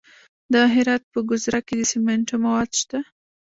د هرات په ګذره کې د سمنټو مواد شته.